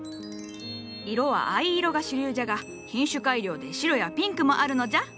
色は藍色が主流じゃが品種改良で白やピンクもあるのじゃ。